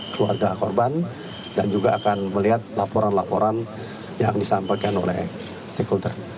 keluarga korban dan juga akan melihat laporan laporan yang disampaikan oleh stakeholder